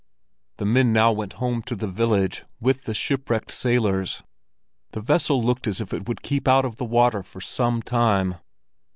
The men now went home to the village with the shipwrecked sailors; the vessel looked as if it would still keep out the water for some time.